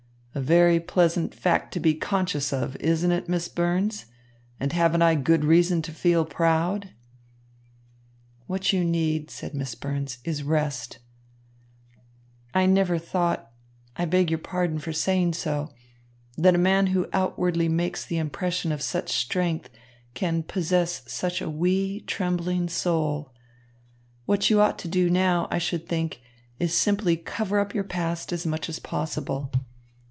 A very pleasant fact to be conscious of, isn't it, Miss Burns, and haven't I good reason to feel proud?" "What you need," said Miss Burns, "is rest. I never thought I beg your pardon for saying so that a man who outwardly makes the impression of such strength can possess such a wee, trembling soul. What you ought to do now, I should think, is simply cover up your past as much as possible.